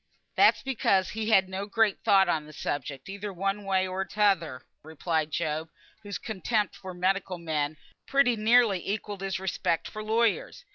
"That's because he had no great thought on the subject, either one way or t'other," replied Job, whose contempt for medical men pretty nearly equalled his respect for lawyers.